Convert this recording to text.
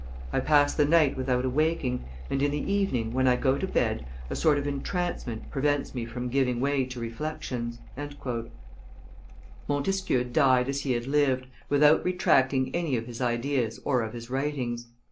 I pass the night without awaking, and in the evening, when I go to bed, a sort of entrancement prevents me from giving way to reflections." Montesquieu died as he had lived, without retracting any of his ideas or of his writings.